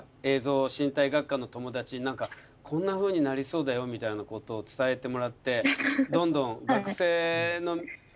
映像身体学科の友達にこんなふうになりそうだよみたいなことを伝えてもらってどんどん学生の。